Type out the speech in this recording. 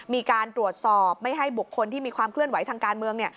มีการตรวจสอบไม่ให้บุคคลที่มีความเคลื่อนไหวทางการเมือง